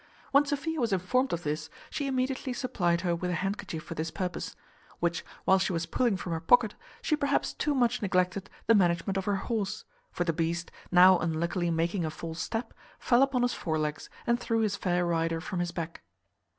When Sophia was informed of this, she immediately supplied her with a handkerchief for this purpose; which while she was pulling from her pocket, she perhaps too much neglected the management of her horse, for the beast, now unluckily making a false step, fell upon his fore legs, and threw his fair rider from his back.